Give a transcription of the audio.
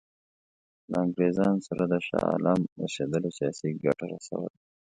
له انګرېزانو سره د شاه عالم اوسېدلو سیاسي ګټه رسوله.